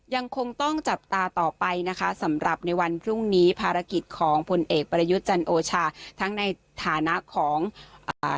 ยังคงต้องจับตาต่อไปนะคะสำหรับในวันพรุ่งนี้ภารกิจของผลเอกประยุทธ์จันโอชาทั้งในฐานะของอ่า